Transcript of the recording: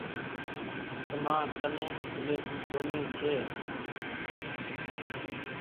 تمآ ڪني سيليٽ ڪونيٚ ڇي۔